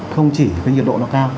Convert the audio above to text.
không chỉ cái nhiệt độ nó cao